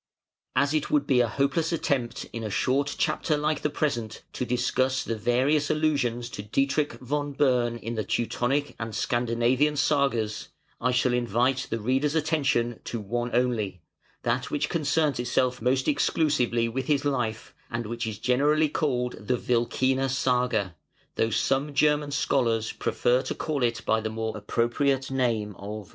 As it would be a hopeless attempt in a short chapter like the present to discuss the various allusions to Dietrich von Bern in the Teutonic and Scandinavian Sagas, I shall invite the reader's attention to one only, that which concerns itself most exclusively with his life, and which is generally called the "Wilkina Saga", though some German scholars prefer to call it by the more appropriate name of "Thidreks Saga".